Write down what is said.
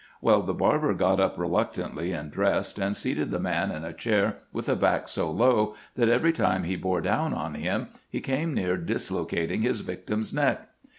Well, the barber got up reluctantly and dressed, and seated the man in a chair with a back so low that every time he bore down on him he came near dislocating his victim's neck.